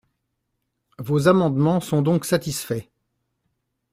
Vos amendements sont donc satisfaits.